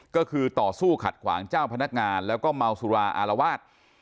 ก็คือต่อสู้ขัดขวางเจ้าพนักงานแล้วก็เมาสุราอารวาส